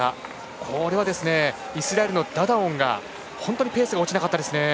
これはイスラエルのダダオンが本当にペースが落ちなかったです。